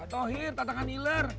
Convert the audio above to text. tauhir tatangan iler